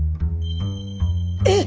えっ！